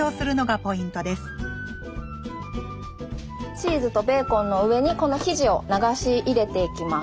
チーズとベーコンの上にこの生地を流し入れていきます。